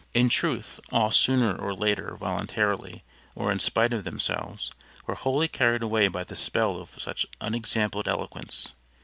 In truth, all sooner or later, voluntarily, or in spite of themselves were wholly carried away by the spell of such unexampled eloquence.